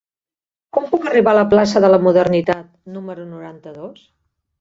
Com puc arribar a la plaça de la Modernitat número noranta-dos?